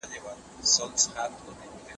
اګوستین د تاریخ په اړه کلی نظر درلود.